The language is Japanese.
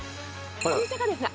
お店がですね